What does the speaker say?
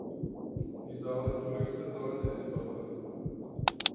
Die sauren Früchte sollen essbar sein.